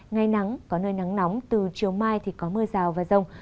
ngày nắng có nơi nắng nóng từ chiều mai thì có mưa rào và rông